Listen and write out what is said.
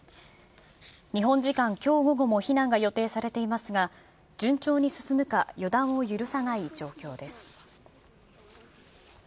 日本時間きょう午後も避難が予定されていますが、順調に進むか、予断を許さない状況です。